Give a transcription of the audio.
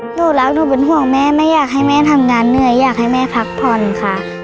หนูรักหนูเป็นห่วงแม่ไม่อยากให้แม่ทำงานเหนื่อยอยากให้แม่พักผ่อนค่ะ